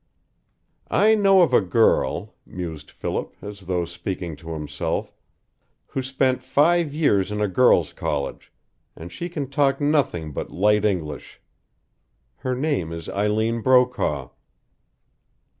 "I know of a girl," mused Philip, as though speaking to himself, "who spent five years in a girls' college, and she can talk nothing but light English. Her name is Eileen Brokaw."